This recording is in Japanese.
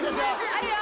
あるよ